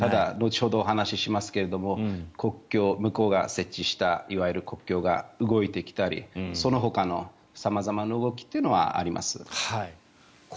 後ほどお話しますが国境向こうが設置したいわゆる国境が動いてきたりそのほかの様々な動きというのはあります。